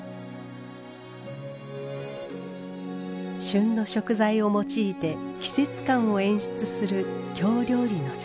旬の食材を用いて季節感を演出する京料理の世界。